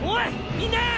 みんな！